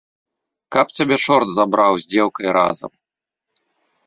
Каб цябе чорт забраў з дзеўкай разам.